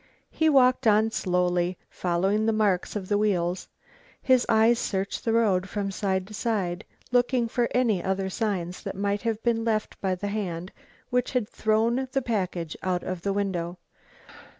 He walked on slowly, following the marks of the wheels. His eyes searched the road from side to side, looking for any other signs that might have been left by the hand which had thrown the package out of the window.